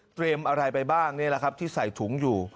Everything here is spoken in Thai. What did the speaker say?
อะไรไปบ้างนี่แหละครับที่ใส่ถุงอยู่